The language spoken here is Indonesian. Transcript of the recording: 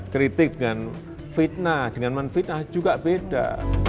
kritik dengan fitnah dengan menfitnah juga beda